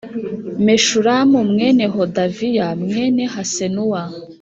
meshulamu mwene hodaviya mwene hasenuwa